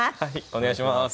お願いします。